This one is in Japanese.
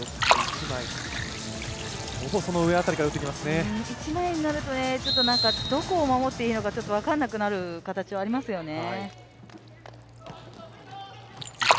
一枚になるともう、どこを守っていいのか分からなくなる形はありますよね。